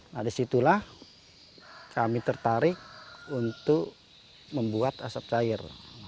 nah disitulah kami tertarik untuk membuat asap cair